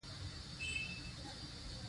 د خپلو همکارانو سره ښه چلند کوئ.